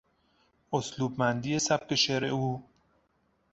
اسلوبمندی سبک شعر او